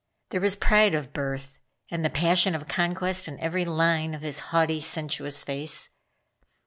There was pride of birth, and the passion of conquest in every line of his haughty, sensuous face.